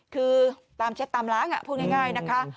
คือตามเช็ดตามล้างพูดง่ายนะคะ